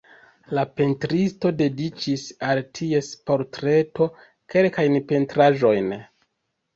La pentristo dediĉis al ties portreto kelkajn pentraĵojn.